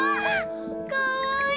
かわいい。